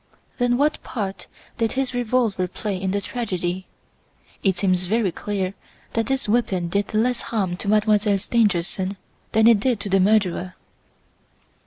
"Then what part did his revolver play in the tragedy? It seems very clear that this weapon did less harm to Mademoiselle Stangerson than it did to the murderer."